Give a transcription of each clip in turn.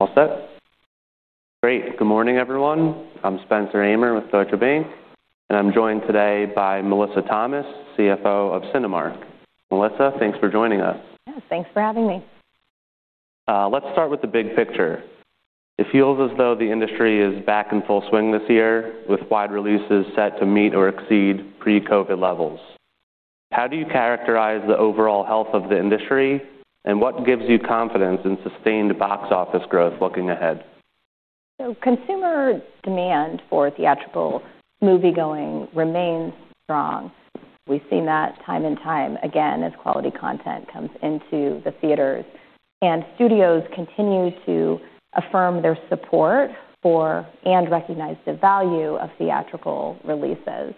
All set? Great. Good morning, everyone. I'm Stephen Laszczyk with Deutsche Bank, and I'm joined today by Melissa Thomas, CFO of Cinemark. Melissa, thanks for joining us. Yeah, thanks for having me. Let's start with the big picture. It feels as though the industry is back in full swing this year, with wide releases set to meet or exceed pre-COVID levels. How do you characterize the overall health of the industry, and what gives you confidence in sustained box office growth looking ahead? Consumer demand for theatrical moviegoing remains strong. We've seen that time and time again as quality content comes into the theaters, and studios continue to affirm their support for and recognize the value of theatrical releases.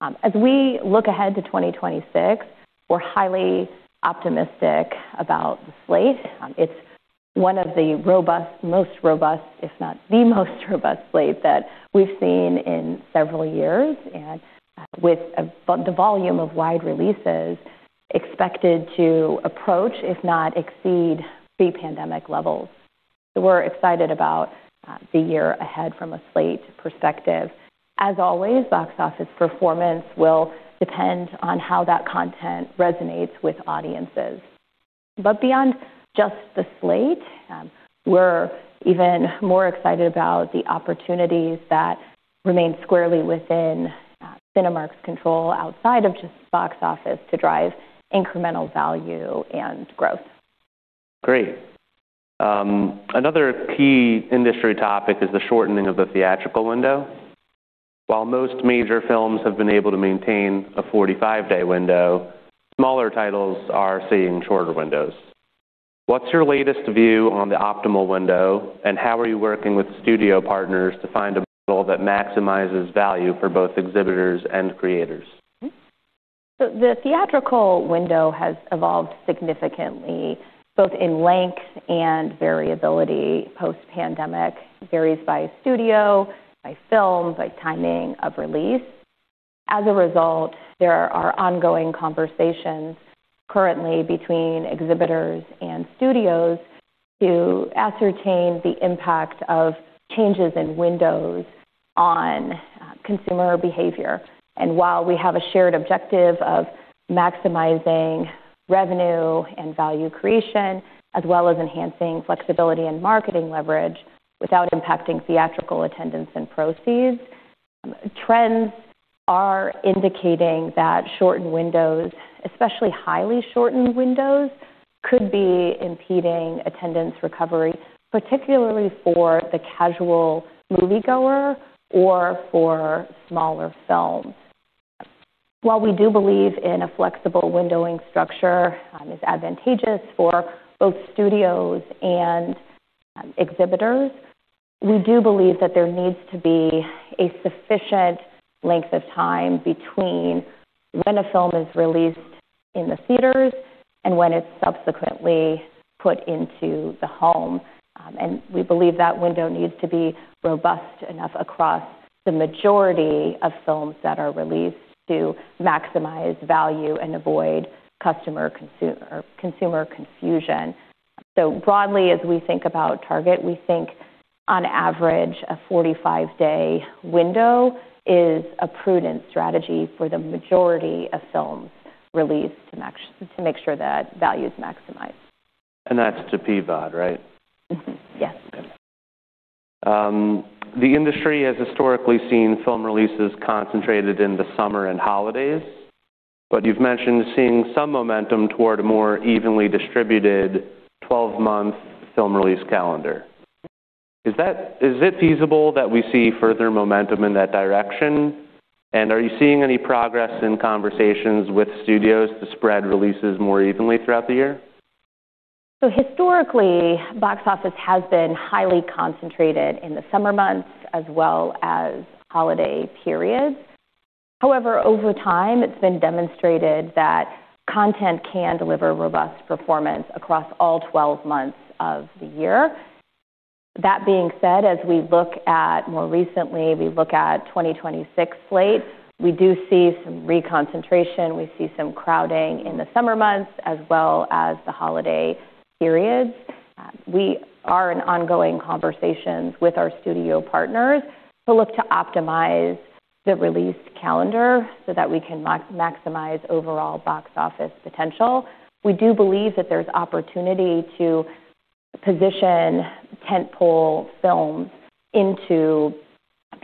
As we look ahead to 2026, we're highly optimistic about the slate. It's one of the most robust, if not the most robust slate that we've seen in several years. With the volume of wide releases expected to approach, if not exceed, pre-pandemic levels. We're excited about the year ahead from a slate perspective. As always, box office performance will depend on how that content resonates with audiences. Beyond just the slate, we're even more excited about the opportunities that remain squarely within Cinemark's control outside of just box office to drive incremental value and growth. Great. Another key industry topic is the shortening of the theatrical window. While most major films have been able to maintain a 45-day window, smaller titles are seeing shorter windows. What's your latest view on the optimal window, and how are you working with studio partners to find a model that maximizes value for both exhibitors and creators? The theatrical window has evolved significantly, both in length and variability post-pandemic, varies by studio, by film, by timing of release. As a result, there are ongoing conversations currently between exhibitors and studios to ascertain the impact of changes in windows on consumer behavior. While we have a shared objective of maximizing revenue and value creation, as well as enhancing flexibility and marketing leverage without impacting theatrical attendance and proceeds, trends are indicating that shortened windows, especially highly shortened windows, could be impeding attendance recovery, particularly for the casual moviegoer or for smaller films. While we do believe in a flexible windowing structure, is advantageous for both studios and exhibitors, we do believe that there needs to be a sufficient length of time between when a film is released in the theaters and when it's subsequently put into the home. We believe that window needs to be robust enough across the majority of films that are released to maximize value and avoid consumer confusion. Broadly, as we think about target, we think on average a 45-day window is a prudent strategy for the majority of films released to make sure that value is maximized. That's to PVOD, right? Mm-hmm. Yes. Okay. The industry has historically seen film releases concentrated in the summer and holidays, but you've mentioned seeing some momentum toward a more evenly distributed twelve-month film release calendar. Is it feasible that we see further momentum in that direction? And are you seeing any progress in conversations with studios to spread releases more evenly throughout the year? Historically, box office has been highly concentrated in the summer months as well as holiday periods. However, over time, it's been demonstrated that content can deliver robust performance across all 12 months of the year. That being said, we look at 2026 slate, we do see some reconcentration. We see some crowding in the summer months as well as the holiday periods. We are in ongoing conversations with our studio partners to look to optimize the release calendar so that we can maximize overall box office potential. We do believe that there's opportunity to position tent-pole films into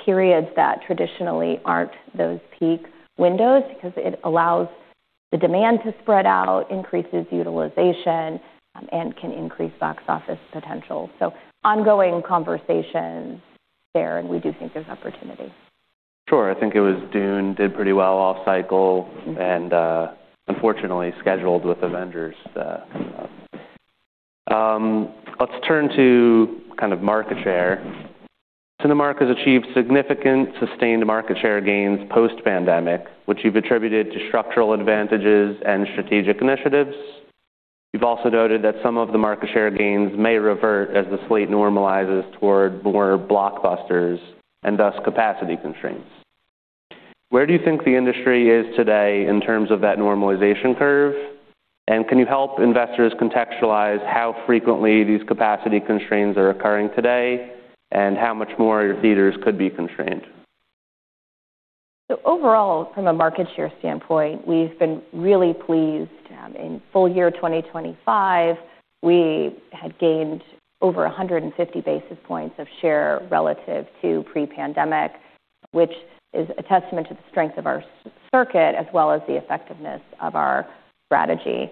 periods that traditionally aren't those peak windows because it allows the demand to spread out, increases utilization, and can increase box office potential. Ongoing conversations there, and we do think there's opportunity. Sure. I think it was Dune did pretty well off cycle and, unfortunately scheduled with Avengers. Let's turn to kind of market share. Cinemark has achieved significant sustained market share gains post-pandemic, which you've attributed to structural advantages and strategic initiatives. You've also noted that some of the market share gains may revert as the slate normalizes toward more blockbusters and thus capacity constraints. Where do you think the industry is today in terms of that normalization curve? And can you help investors contextualize how frequently these capacity constraints are occurring today and how much more your theaters could be constrained? Overall, from a market share standpoint, we've been really pleased. In full year 2025, we had gained over 150 basis points of share relative to pre-pandemic, which is a testament to the strength of our circuit as well as the effectiveness of our strategy.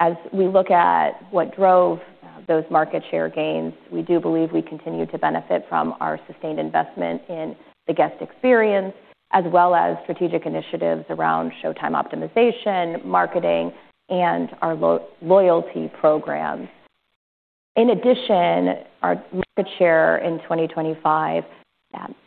As we look at what drove those market share gains, we do believe we continue to benefit from our sustained investment in the guest experience as well as strategic initiatives around showtime optimization, marketing, and our loyalty programs. In addition, our market share in 2025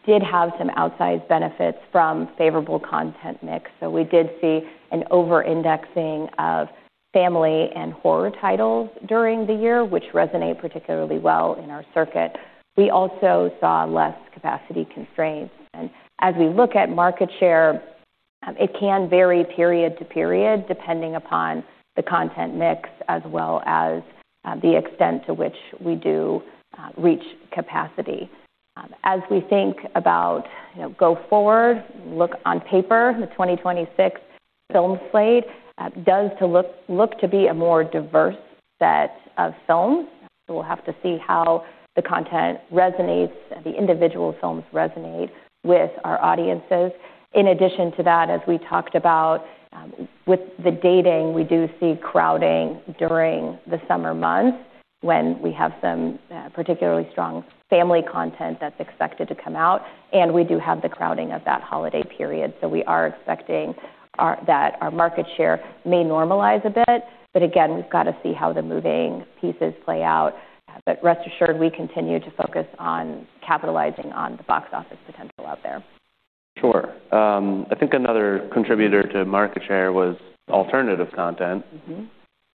did have some outsized benefits from favorable content mix. We did see an over-indexing of family and horror titles during the year, which resonate particularly well in our circuit. We also saw less capacity constraints. As we look at market share, it can vary period to period, depending upon the content mix as well as the extent to which we do reach capacity. As we think about, you know, go forward, look on paper, the 2026 film slate does look to be a more diverse set of films. We'll have to see how the content resonates, the individual films resonate with our audiences. In addition to that, as we talked about, with the data, we do see crowding during the summer months when we have some particularly strong family content that's expected to come out, and we do have the crowding of that holiday period. We are expecting that our market share may normalize a bit, but again, we've got to see how the moving pieces play out. Rest assured, we continue to focus on capitalizing on the box office potential out there. Sure. I think another contributor to market share was alternative content. Mm-hmm.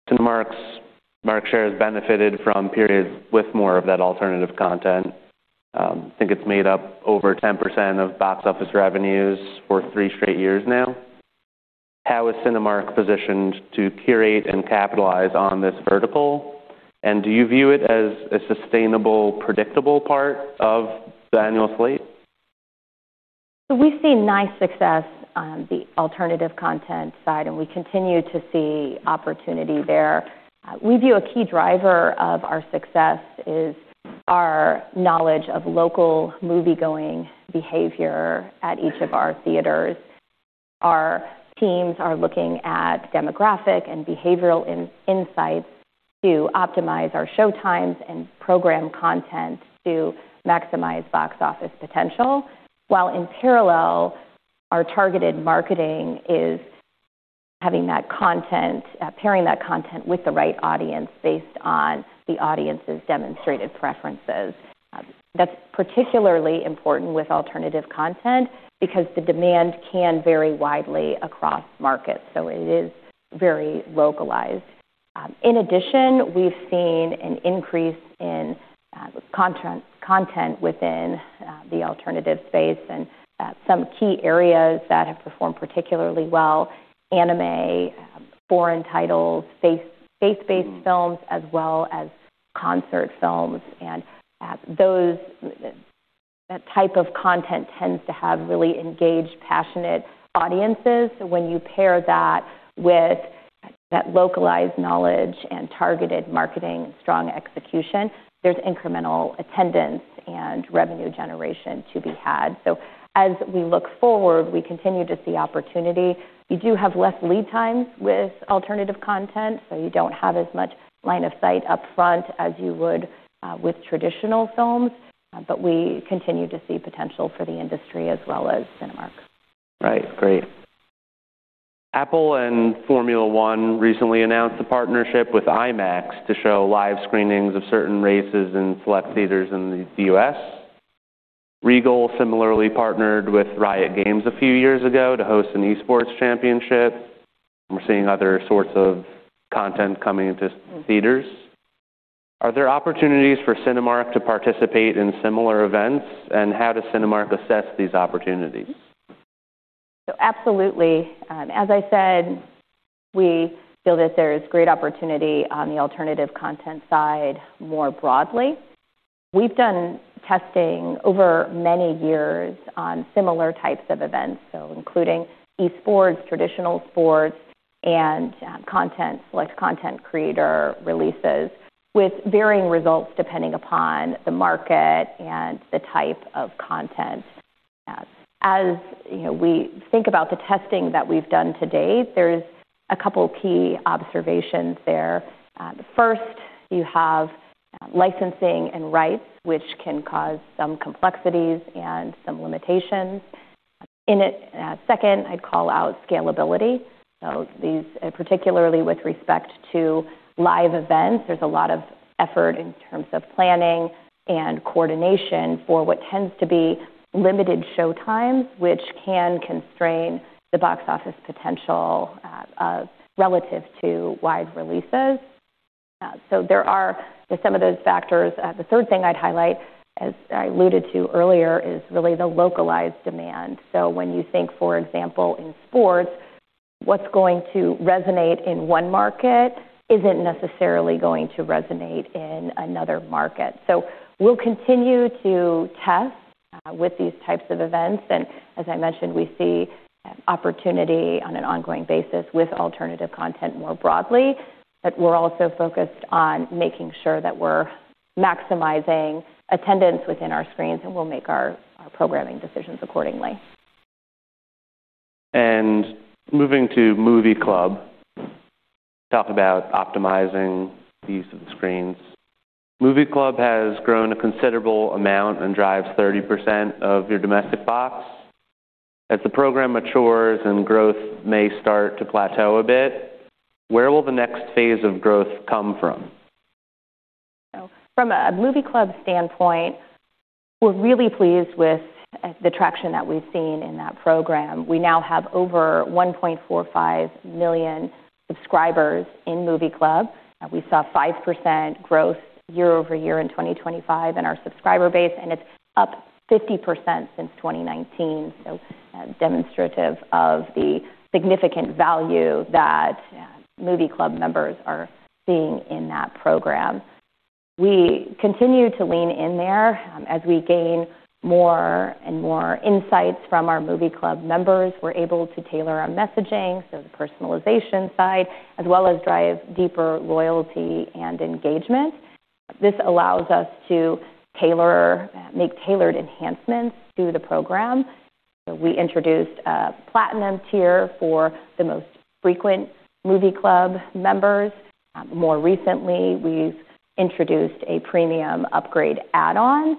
Cinemark's market share has benefited from periods with more of that alternative content. I think it's made up over 10% of box office revenues for three straight years now. How is Cinemark positioned to curate and capitalize on this vertical? Do you view it as a sustainable, predictable part of the annual slate? We've seen nice success on the alternative content side, and we continue to see opportunity there. We view a key driver of our success is our knowledge of local moviegoing behavior at each of our theaters. Our teams are looking at demographic and behavioral insights to optimize our showtimes and program content to maximize box office potential, while in parallel, our targeted marketing is having that content, pairing that content with the right audience based on the audience's demonstrated preferences. That's particularly important with alternative content because the demand can vary widely across markets, so it is very localized. In addition, we've seen an increase in content within the alternative space and some key areas that have performed particularly well, anime, foreign titles, space-based films, as well as concert films. That type of content tends to have really engaged, passionate audiences. When you pair that with that localized knowledge and targeted marketing, strong execution, there's incremental attendance and revenue generation to be had. As we look forward, we continue to see opportunity. You do have less lead times with alternative content, so you don't have as much line of sight up front as you would with traditional films. We continue to see potential for the industry as well as Cinemark. Right. Great. Apple and Formula 1 recently announced a partnership with IMAX to show live screenings of certain races in select theaters in the U.S. Regal similarly partnered with Riot Games a few years ago to host an esports championship. We're seeing other sorts of content coming into theaters. Are there opportunities for Cinemark to participate in similar events? How does Cinemark assess these opportunities? Absolutely. As I said, we feel that there is great opportunity on the alternative content side more broadly. We've done testing over many years on similar types of events, so including esports, traditional sports, and content, select content creator releases with varying results depending upon the market and the type of content. As you know, we think about the testing that we've done to date, there's a couple key observations there. The first, you have licensing and rights, which can cause some complexities and some limitations in it. Second, I'd call out scalability. These, particularly with respect to live events, there's a lot of effort in terms of planning and coordination for what tends to be limited showtimes, which can constrain the box office potential relative to wide releases. Yeah. There are some of those factors. The third thing I'd highlight, as I alluded to earlier, is really the localized demand. When you think, for example, in sports, what's going to resonate in one market isn't necessarily going to resonate in another market. We'll continue to test with these types of events. As I mentioned, we see opportunity on an ongoing basis with alternative content more broadly, but we're also focused on making sure that we're maximizing attendance within our screens, and we'll make our programming decisions accordingly. Moving to Movie Club. Talk about optimizing the use of the screens. Movie Club has grown a considerable amount and drives 30% of your domestic box. As the program matures and growth may start to plateau a bit, where will the next phase of growth come from? From a Movie Club standpoint, we're really pleased with the traction that we've seen in that program. We now have over 1.45 million subscribers in Movie Club. We saw 5% growth year-over-year in 2025 in our subscriber base, and it's up 50% since 2019. Demonstrative of the significant value that Movie Club members are seeing in that program. We continue to lean in there. As we gain more and more insights from our Movie Club members, we're able to tailor our messaging, so the personalization side, as well as drive deeper loyalty and engagement. This allows us to make tailored enhancements to the program. We introduced a platinum tier for the most frequent Movie Club members. More recently, we've introduced a premium upgrade add-on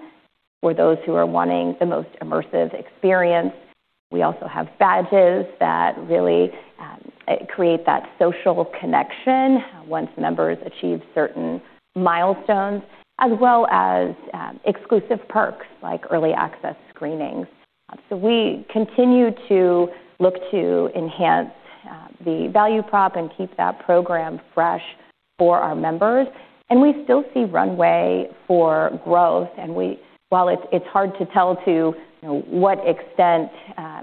for those who are wanting the most immersive experience. We also have badges that really create that social connection once members achieve certain milestones, as well as exclusive perks like early access screenings. We continue to look to enhance the value prop and keep that program fresh for our members. We still see runway for growth. While it's hard to tell to you know what extent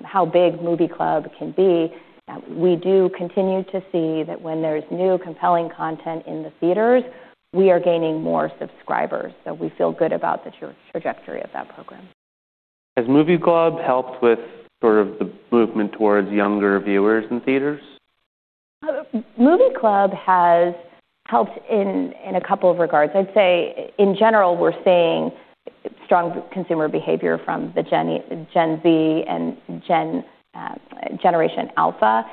how big Movie Club can be, we do continue to see that when there's new compelling content in the theaters, we are gaining more subscribers. We feel good about the trajectory of that program. Has Movie Club helped with sort of the movement towards younger viewers in theaters? Movie Club has helped in a couple of regards. I'd say in general, we're seeing strong consumer behavior from Gen Z and Generation Alpha.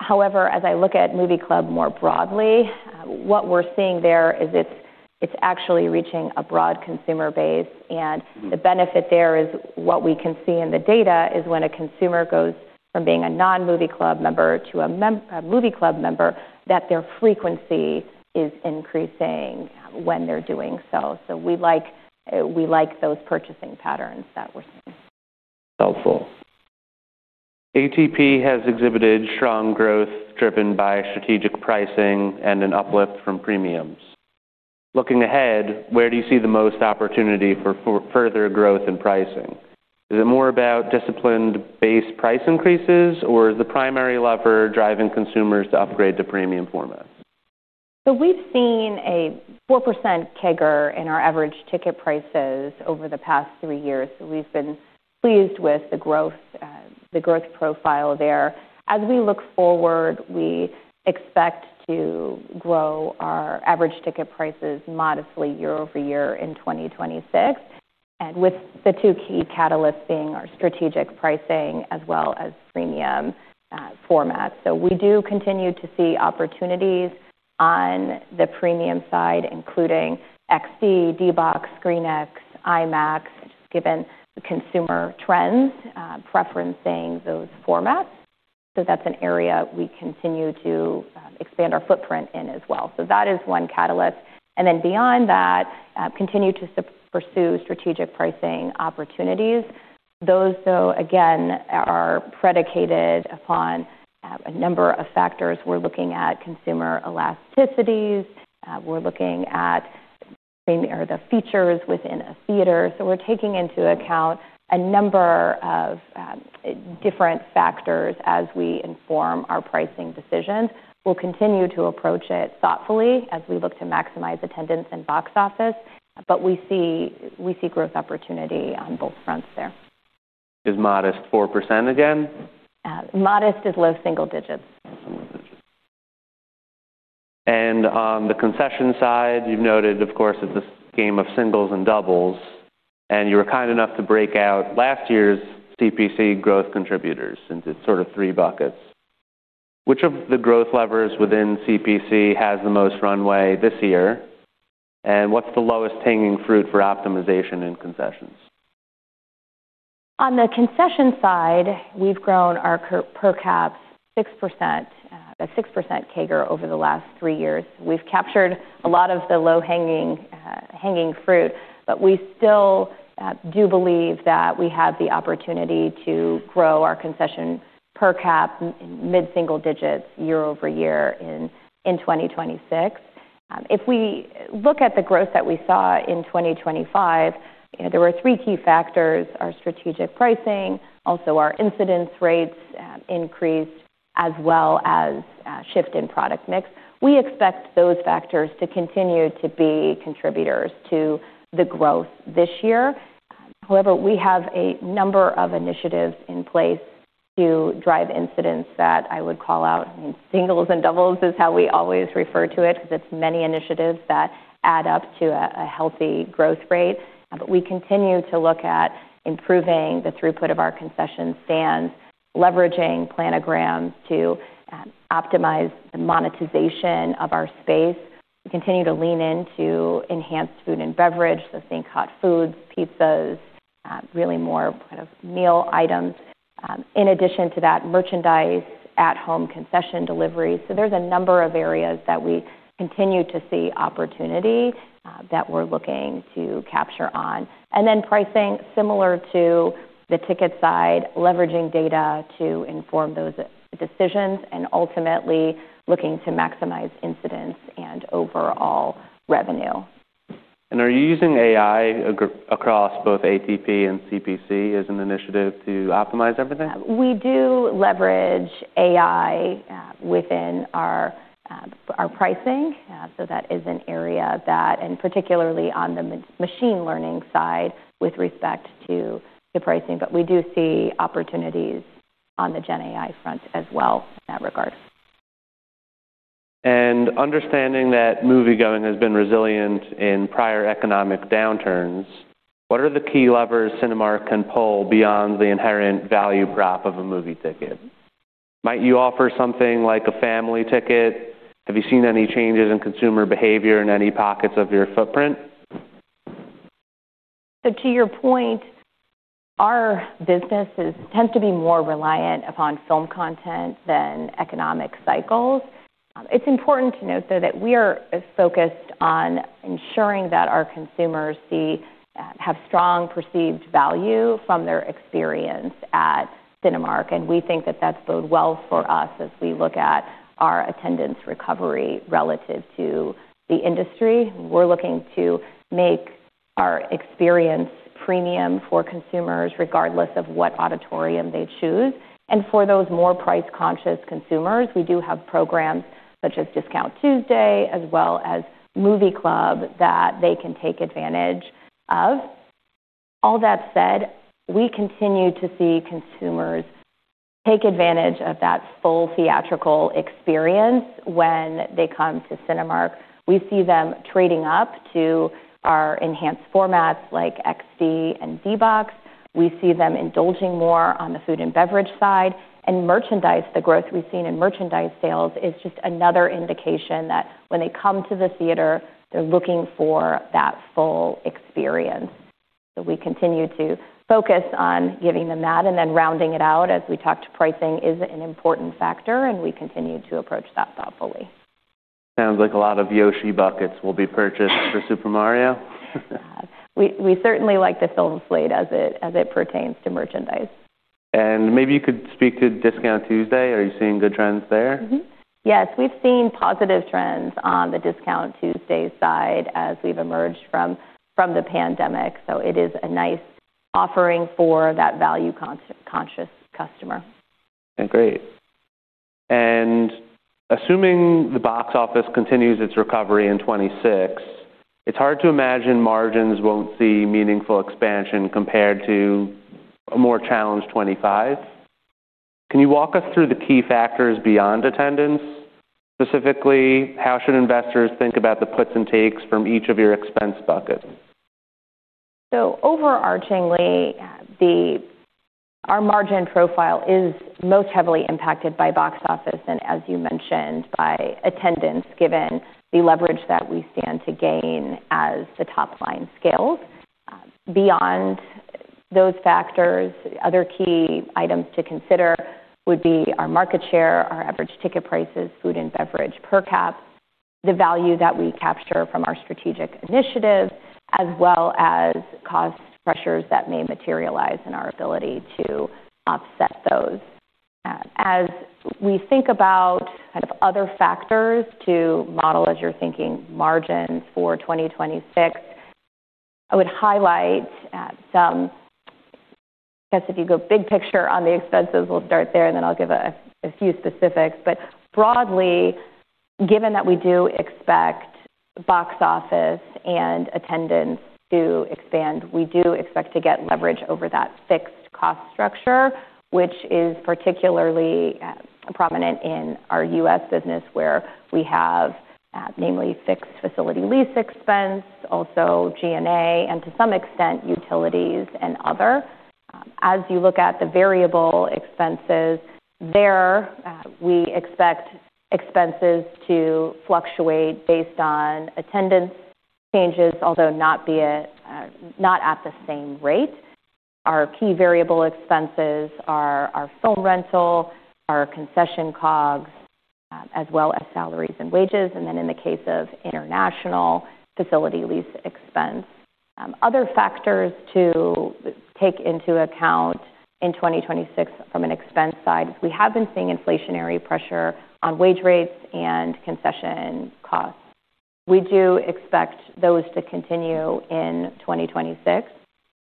However, as I look at Movie Club more broadly, what we're seeing there is it's actually reaching a broad consumer base. The benefit there is what we can see in the data is when a consumer goes from being a non-Movie Club member to a Movie Club member, that their frequency is increasing when they're doing so. We like those purchasing patterns that we're seeing. Helpful. ATP has exhibited strong growth driven by strategic pricing and an uplift from premiums. Looking ahead, where do you see the most opportunity for further growth in pricing? Is it more about disciplined base price increases or is the primary lever driving consumers to upgrade to premium formats? We've seen a 4% CAGR in our average ticket prices over the past three years. We've been pleased with the growth profile there. As we look forward, we expect to grow our average ticket prices modestly year-over-year in 2026, and with the two key catalysts being our strategic pricing as well as premium formats. We do continue to see opportunities on the premium side, including XD, D-BOX, ScreenX, IMAX, given the consumer trends preferencing those formats. That's an area we continue to expand our footprint in as well. That is one catalyst. Then beyond that, continue to pursue strategic pricing opportunities. Those, though, again, are predicated upon a number of factors. We're looking at consumer elasticities. We're looking at the same area, the features within a theater. We're taking into account a number of different factors as we inform our pricing decisions. We'll continue to approach it thoughtfully as we look to maximize attendance and box office, but we see growth opportunity on both fronts there. Is modest 4% again? Modest is low single digits. Single digits. On the concession side, you've noted, of course, it's a game of singles and doubles, and you were kind enough to break out last year's CPC growth contributors into sort of three buckets. Which of the growth levers within CPC has the most runway this year? What's the lowest hanging fruit for optimization in concessions? On the concession side, we've grown our per cap 6%, a 6% CAGR over the last three years. We've captured a lot of the low-hanging fruit, but we still do believe that we have the opportunity to grow our concession per cap mid-single digits year-over-year in 2026. If we look at the growth that we saw in 2025, you know, there were three key factors, our strategic pricing, also our incidence rates increased as well as shift in product mix. We expect those factors to continue to be contributors to the growth this year. However, we have a number of initiatives in place to drive incidence that I would call out, singles and doubles is how we always refer to it, because it's many initiatives that add up to a healthy growth rate. We continue to look at improving the throughput of our concession stands, leveraging planograms to optimize the monetization of our space. We continue to lean into enhanced food and beverage, so think hot foods, pizzas, really more kind of meal items. In addition to that, merchandise, at-home concession delivery. There's a number of areas that we continue to see opportunity that we're looking to capture on. Then pricing, similar to the ticket side, leveraging data to inform those decisions and ultimately looking to maximize incidents and overall revenue. Are you using AI across both ATP and CPC as an initiative to optimize everything? We do leverage AI within our pricing. That is an area that and particularly on the machine learning side with respect to the pricing. We do see opportunities on the GenAI front as well in that regard. Understanding that moviegoing has been resilient in prior economic downturns, what are the key levers Cinemark can pull beyond the inherent value prop of a movie ticket? Might you offer something like a family ticket? Have you seen any changes in consumer behavior in any pockets of your footprint? To your point, our businesses tend to be more reliant upon film content than economic cycles. It's important to note, though, that we are as focused on ensuring that our consumers have strong perceived value from their experience at Cinemark, and we think that that's bode well for us as we look at our attendance recovery relative to the industry. We're looking to make our experience premium for consumers regardless of what auditorium they choose. For those more price-conscious consumers, we do have programs such as Discount Tuesday as well as Movie Club that they can take advantage of. All that said, we continue to see consumers take advantage of that full theatrical experience when they come to Cinemark. We see them trading up to our enhanced formats like XD and D-Box. We see them indulging more on the food and beverage side. Merchandise, the growth we've seen in merchandise sales is just another indication that when they come to the theater, they're looking for that full experience. We continue to focus on giving them that and then rounding it out as we talk to pricing is an important factor, and we continue to approach that thoughtfully. Sounds like a lot of Yoshi buckets will be purchased for Super Mario. We certainly like the film slate as it pertains to merchandise. Maybe you could speak to Discount Tuesday. Are you seeing good trends there? Mm-hmm. Yes, we've seen positive trends on the Discount Tuesday side as we've emerged from the pandemic. It is a nice offering for that value conscious customer. Great. Assuming the box office continues its recovery in 2026, it's hard to imagine margins won't see meaningful expansion compared to a more challenged 2025. Can you walk us through the key factors beyond attendance? Specifically, how should investors think about the puts and takes from each of your expense buckets? Overarchingly, our margin profile is most heavily impacted by box office, and as you mentioned, by attendance, given the leverage that we stand to gain as the top line scales. Beyond those factors, other key items to consider would be our market share, our average ticket prices, food and beverage per cap, the value that we capture from our strategic initiatives, as well as cost pressures that may materialize and our ability to offset those. As we think about kind of other factors to model as you're thinking margins for 2026, I would highlight some 'cause if you go big picture on the expenses, we'll start there, and then I'll give a few specifics. Broadly, given that we do expect box office and attendance to expand, we do expect to get leverage over that fixed cost structure, which is particularly prominent in our U.S. business, where we have, namely fixed facility lease expense, also G&A, and to some extent, utilities and other. As you look at the variable expenses, there we expect expenses to fluctuate based on attendance changes, although not at the same rate. Our key variable expenses are our film rental, our concession COGS, as well as salaries and wages, and then in the case of international, facility lease expense. Other factors to take into account in 2026 from an expense side is we have been seeing inflationary pressure on wage rates and concession costs. We do expect those to continue in 2026.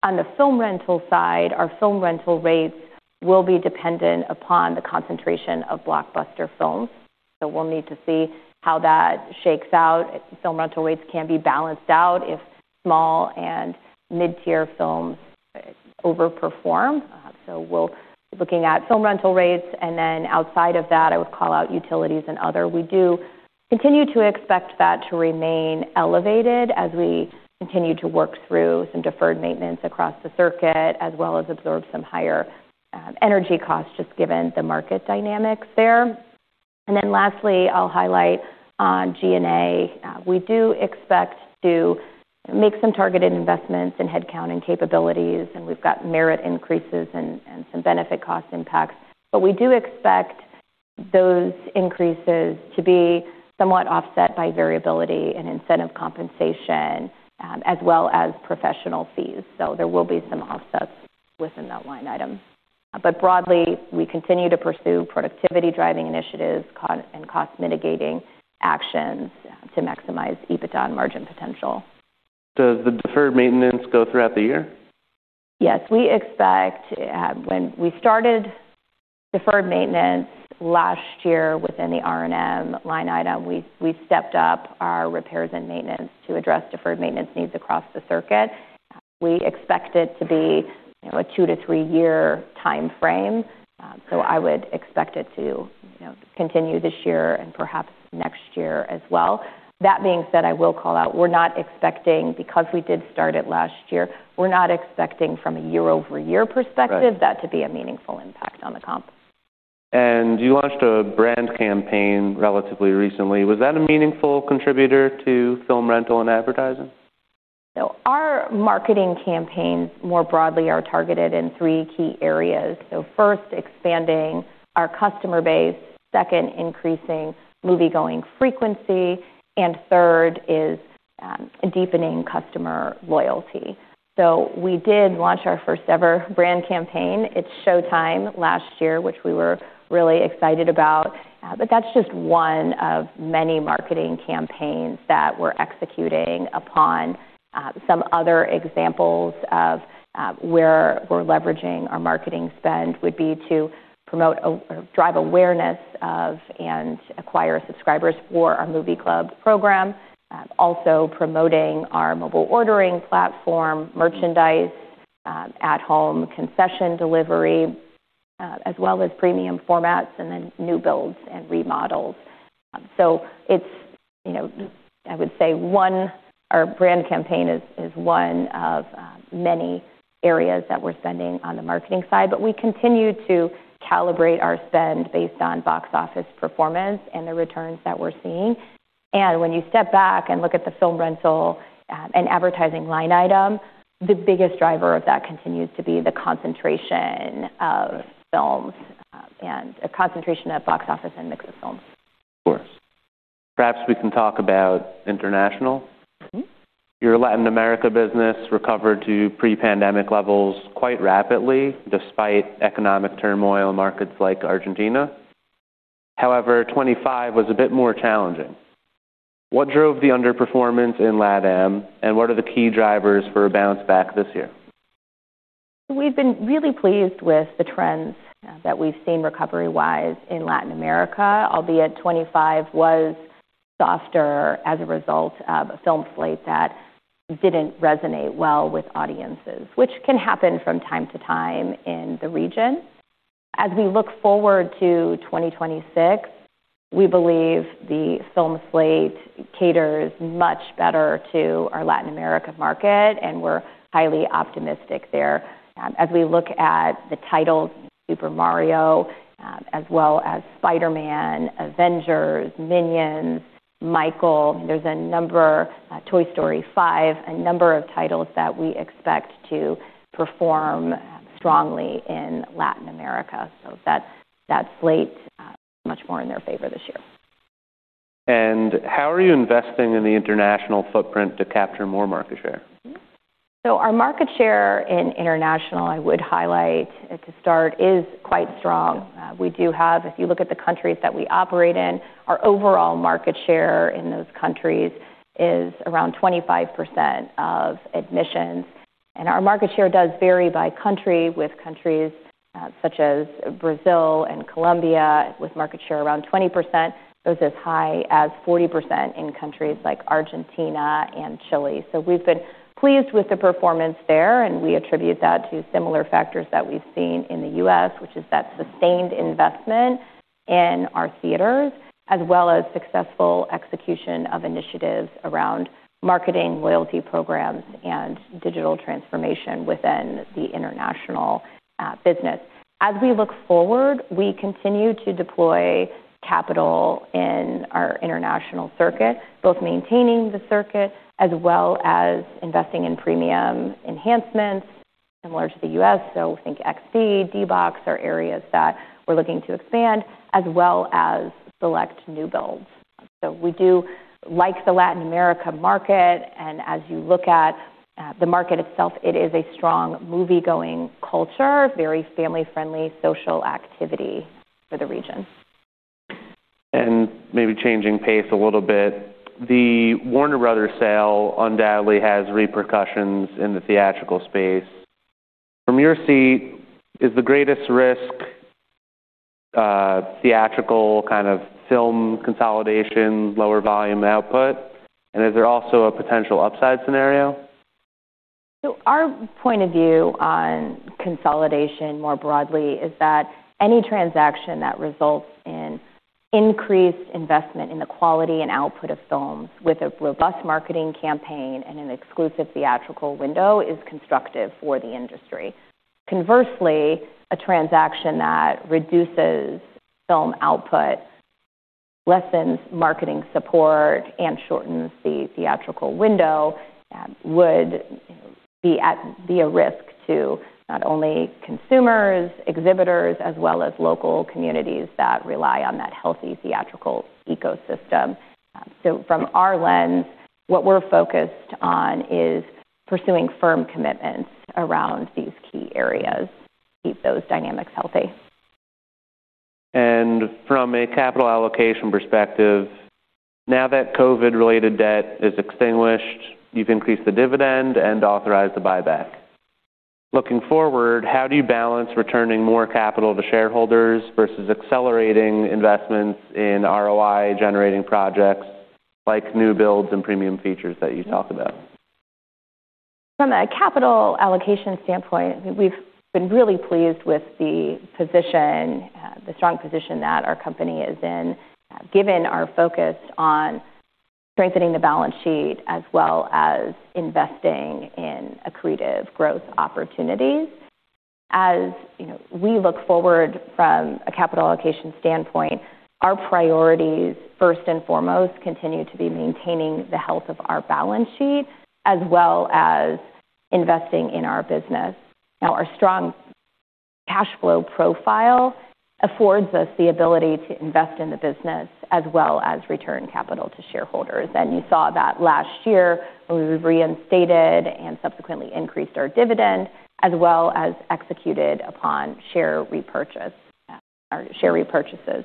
On the film rental side, our film rental rates will be dependent upon the concentration of blockbuster films. We'll need to see how that shakes out. Film rental rates can be balanced out if small and mid-tier films overperform. We're looking at film rental rates, and then outside of that, I would call out utilities and other. We do continue to expect that to remain elevated as we continue to work through some deferred maintenance across the circuit, as well as absorb some higher energy costs, just given the market dynamics there. Lastly, I'll highlight on G&A. We do expect to make some targeted investments in headcount and capabilities, and we've got merit increases and some benefit cost impacts. We do expect those increases to be somewhat offset by variability and incentive compensation, as well as professional fees. There will be some offsets within that line item. Broadly, we continue to pursue productivity-driving initiatives, cost-and cost-mitigating actions to maximize EBITDA and margin potential. Does the deferred maintenance go throughout the year? Yes. We expect, when we started deferred maintenance last year within the R&M line item, we stepped up our repairs and maintenance to address deferred maintenance needs across the circuit. We expect it to be, you know, a two to three year timeframe, so I would expect it to, you know, continue this year and perhaps next year as well. That being said, I will call out we're not expecting. Because we did start it last year, we're not expecting from a year-over-year perspective like that to be a meaningful impact on the comp. You launched a brand campaign relatively recently. Was that a meaningful contributor to film rental and advertising? Our marketing campaigns more broadly are targeted in three key areas. First, expanding our customer base, second, increasing moviegoing frequency, and third is deepening customer loyalty. We did launch our first-ever brand campaign, It's Showtime, last year, which we were really excited about. That's just one of many marketing campaigns that we're executing upon. Some other examples of where we're leveraging our marketing spend would be to promote or drive awareness of, and acquire subscribers for our Movie Club program, also promoting our mobile ordering platform, merchandise, at-home concession delivery, as well as premium formats and then new builds and remodels. It's, you know, I would say our brand campaign is one of many areas that we're spending on the marketing side, but we continue to calibrate our spend based on box office performance and the returns that we're seeing. When you step back and look at the film rental and advertising line item, the biggest driver of that continues to be the concentration of films and a concentration of box office and mix of films. Of course. Perhaps we can talk about international. Mm-hmm. Your Latin America business recovered to pre-pandemic levels quite rapidly despite economic turmoil in markets like Argentina. However, 2025 was a bit more challenging. What drove the underperformance in LatAm, and what are the key drivers for a bounce back this year? We've been really pleased with the trends that we've seen recovery-wise in Latin America, albeit 2025 was softer as a result of a film slate that didn't resonate well with audiences, which can happen from time to time in the region. As we look forward to 2026, we believe the film slate caters much better to our Latin America market, and we're highly optimistic there. As we look at the titles Super Mario as well as Spider-Man, Avengers, Minions, Michael, there's a number, Toy Story 5, a number of titles that we expect to perform strongly in Latin America. That slate much more in their favor this year. How are you investing in the international footprint to capture more market share? Our market share in international, I would highlight at the start, is quite strong. We do have, if you look at the countries that we operate in, our overall market share in those countries is around 25% of admissions. Our market share does vary by country, with countries, such as Brazil and Colombia with market share around 20%, goes as high as 40% in countries like Argentina and Chile. We've been pleased with the performance there, and we attribute that to similar factors that we've seen in the U.S., which is that sustained investment in our theaters, as well as successful execution of initiatives around marketing, loyalty programs, and digital transformation within the international business. As we look forward, we continue to deploy capital in our international circuit, both maintaining the circuit as well as investing in premium enhancements similar to the U.S. Think XD, D-Box are areas that we're looking to expand, as well as select new builds. We do like the Latin America market, and as you look at, the market itself, it is a strong movie-going culture, very family-friendly social activity for the region. Maybe changing pace a little bit, the Warner Bros. sale undoubtedly has repercussions in the theatrical space. From your seat, is the greatest risk, theatrical kind of film consolidation, lower volume output? Is there also a potential upside scenario? Our point of view on consolidation more broadly is that any transaction that results in increased investment in the quality and output of films with a robust marketing campaign and an exclusive theatrical window is constructive for the industry. Conversely, a transaction that reduces film output, lessens marketing support, and shortens the theatrical window would be a risk to not only consumers, exhibitors, as well as local communities that rely on that healthy theatrical ecosystem. From our lens, what we're focused on is pursuing firm commitments around these key areas to keep those dynamics healthy. From a capital allocation perspective, now that COVID-related debt is extinguished, you've increased the dividend and authorized the buyback. Looking forward, how do you balance returning more capital to shareholders versus accelerating investments in ROI-generating projects like new builds and premium features that you talked about? From a capital allocation standpoint, we've been really pleased with the position, the strong position that our company is in, given our focus on strengthening the balance sheet as well as investing in accretive growth opportunities. As you know, we look forward from a capital allocation standpoint, our priorities first and foremost continue to be maintaining the health of our balance sheet as well as investing in our business. Now, our strong cash flow profile affords us the ability to invest in the business as well as return capital to shareholders. You saw that last year when we reinstated and subsequently increased our dividend as well as executed upon share repurchase, or share repurchases.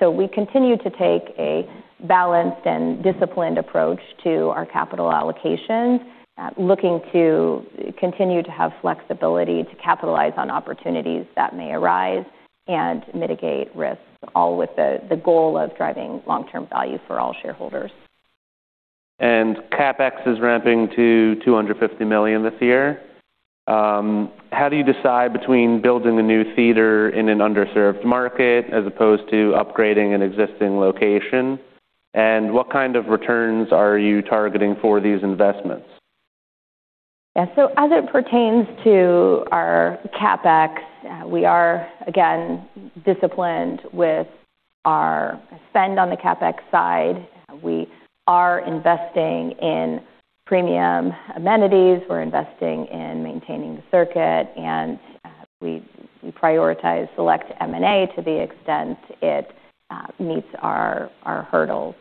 We continue to take a balanced and disciplined approach to our capital allocation, looking to continue to have flexibility to capitalize on opportunities that may arise and mitigate risks, all with the goal of driving long-term value for all shareholders. CapEx is ramping to $250 million this year. How do you decide between building a new theater in an underserved market as opposed to upgrading an existing location? What kind of returns are you targeting for these investments? As it pertains to our CapEx, we are, again, disciplined with our spend on the CapEx side. We are investing in premium amenities. We're investing in maintaining the circuit, and we prioritize select M&A to the extent it meets our hurdles.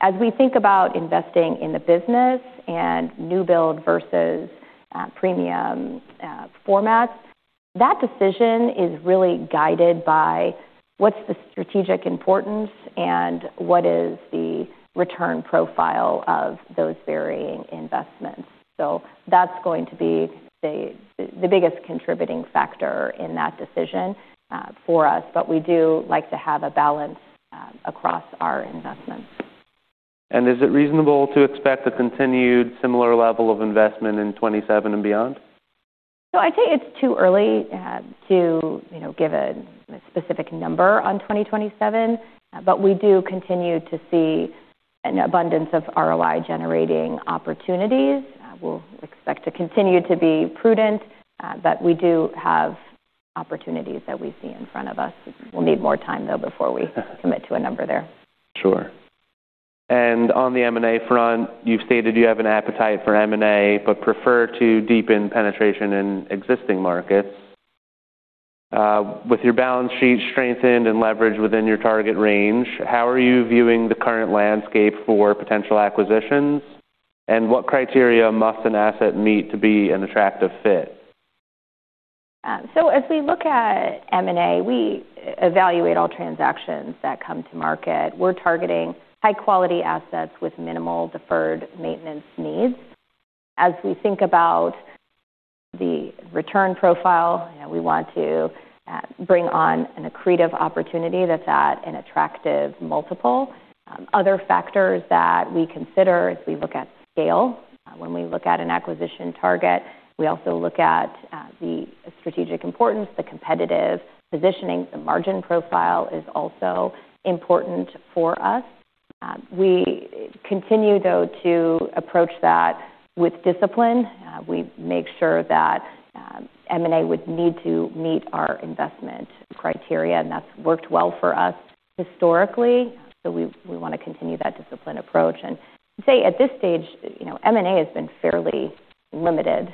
As we think about investing in the business and new build versus premium formats, that decision is really guided by what's the strategic importance and what is the return profile of those varying investments. That's going to be the biggest contributing factor in that decision for us. We do like to have a balance across our investments. Is it reasonable to expect a continued similar level of investment in 2027 and beyond? I'd say it's too early to give a specific number on 2027. We continue to see an abundance of ROI-generating opportunities. We'll expect to continue to be prudent, but we do have opportunities that we see in front of us. We'll need more time, though, before we commit to a number there. Sure. On the M&A front, you've stated you have an appetite for M&A but prefer to deepen penetration in existing markets. With your balance sheet strengthened and leverage within your target range, how are you viewing the current landscape for potential acquisitions, and what criteria must an asset meet to be an attractive fit? As we look at M&A, we evaluate all transactions that come to market. We're targeting high-quality assets with minimal deferred maintenance needs. As we think about the return profile, you know, we want to bring on an accretive opportunity that's at an attractive multiple. Other factors that we consider is we look at scale. When we look at an acquisition target, we also look at the strategic importance, the competitive positioning. The margin profile is also important for us. We continue, though, to approach that with discipline. We make sure that M&A would need to meet our investment criteria, and that's worked well for us historically, so we wanna continue that disciplined approach. I'd say at this stage, you know, M&A has been fairly limited.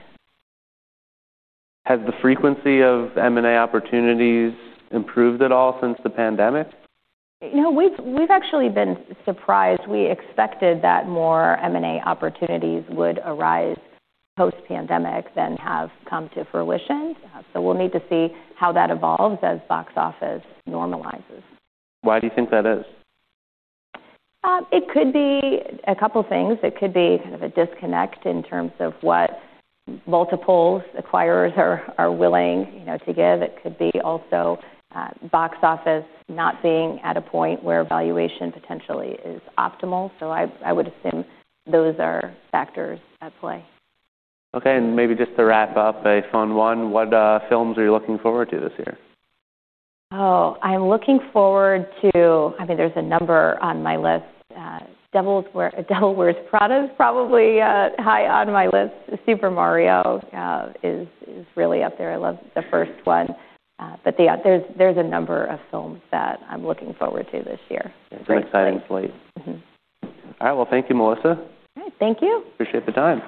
Has the frequency of M&A opportunities improved at all since the pandemic? You know, we've actually been surprised. We expected that more M&A opportunities would arise post-pandemic than have come to fruition, so we'll need to see how that evolves as box office normalizes. Why do you think that is? It could be a couple things. It could be kind of a disconnect in terms of what multiples acquirers are willing, you know, to give. It could be also box office not being at a point where valuation potentially is optimal. I would assume those are factors at play. Okay, maybe just to wrap up a fun one, what films are you looking forward to this year? I mean, there's a number on my list. The Devil Wears Prada is probably high on my list. Super Mario is really up there. I loved the first one. Yeah, there's a number of films that I'm looking forward to this year. It's an exciting slate. Mm-hmm. All right. Well, thank you, Melissa. All right. Thank you. Appreciate the time.